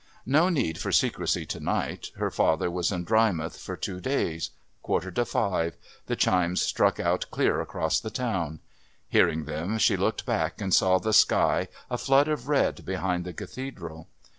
No need for secrecy to night. Her father was in Drymouth for two days. Quarter to five. The chimes struck out clear across the town. Hearing them she looked back and saw the sky a flood of red behind the Cathedral.